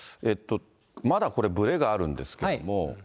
まだこれ、ぶれがあるんですけども。